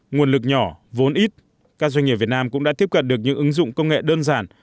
nguồn lực nhỏ vốn ít các doanh nghiệp việt nam cũng đã tiếp cận được những ứng dụng công nghệ đơn giản